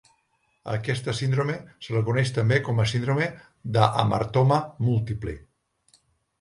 A aquesta síndrome se la coneix també com a síndrome de hamartoma múltiple.